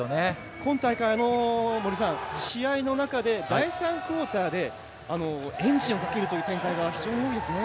今大会、試合の中で第３クオーターでエンジンをかけるという展開が非常に多いですね。